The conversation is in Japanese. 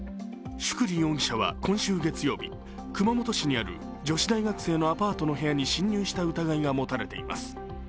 宿利容疑者は今週月曜日熊本市にある女子大学生のアパートの部屋に侵入した疑いが持たれています。